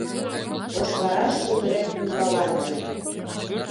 Ошвараш шулдырет ӱмбаланже